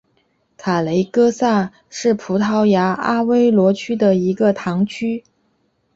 卡雷戈萨是葡萄牙阿威罗区的一个堂区。